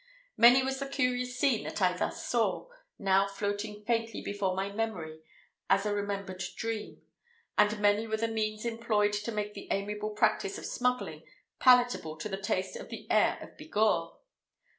Many was the curious scene that I thus saw, now floating faintly before my memory as a remembered dream; and many were the means employed to make the amiable practice of smuggling palatable to the taste of the heir of Bigorre.